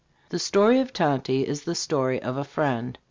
"The Story of Tonty" is the story of a friend.